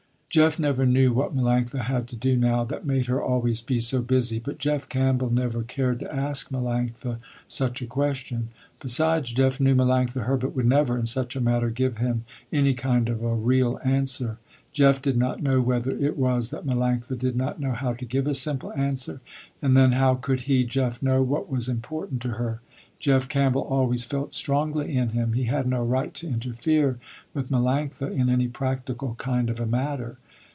Jeff never knew what Melanctha had to do now, that made her always be so busy, but Jeff Campbell never cared to ask Melanctha such a question. Besides Jeff knew Melanctha Herbert would never, in such a matter, give him any kind of a real answer. Jeff did not know whether it was that Melanctha did not know how to give a simple answer. And then how could he, Jeff, know what was important to her. Jeff Campbell always felt strongly in him, he had no right to interfere with Melanctha in any practical kind of a matter.